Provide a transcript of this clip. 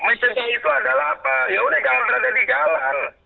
maksudnya itu adalah apa ya udah jangan berada di jalan